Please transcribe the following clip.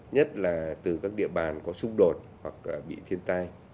nhất là từ các địa bàn có xung đột hoặc bị thiên tai